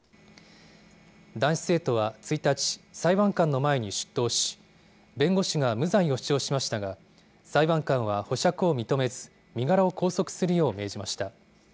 男子生徒は１日、裁判官の前に出頭し、弁護士が無罪を主張しましたが、裁判官は保釈を認めず、身柄を拘束するよう命じました。